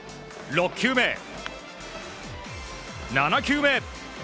６球目、７球目。